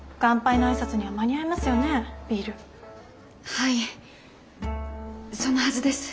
はいそのはずです。